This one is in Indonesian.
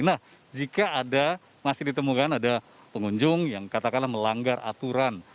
nah jika ada masih ditemukan ada pengunjung yang katakanlah melanggar aturan